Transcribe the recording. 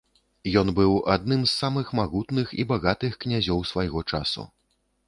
Ён быў быў адным з самых магутных і багатых князёў свайго часу.